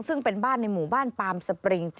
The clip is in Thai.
ซึ่งเป็นบ้านในหมู่บ้านปามสปริง